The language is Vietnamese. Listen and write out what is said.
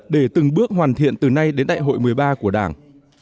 để từng bước hoàn thiện từ nay đến đại hội một mươi ba của đảng